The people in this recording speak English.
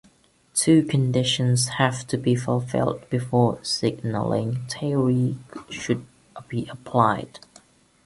Two conditions have to be fulfilled before signaling theory should be applied.